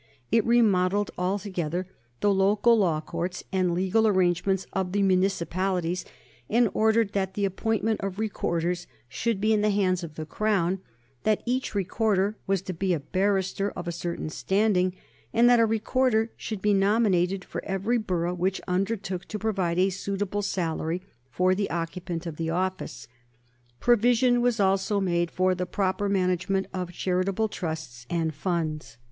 It remodelled altogether the local law courts and legal arrangements of the municipalities, and ordered that the appointment of Recorders should be in the hands of the Crown, that each Recorder was to be a barrister of a certain standing, and that a Recorder should be nominated for every borough which undertook to provide a suitable salary for the occupant of the office. Provision was also made for the proper management of charitable trusts and funds.